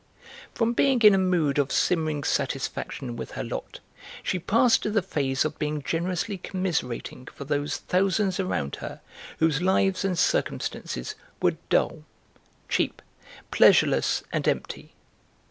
From being in a mood of simmering satisfaction with her lot she passed to the phase of being generously commiserating for those thousands around her whose lives and circumstances were dull, cheap, pleasureless, and empty.